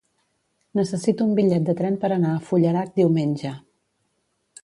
Necessito un bitllet de tren per anar a Forallac diumenge.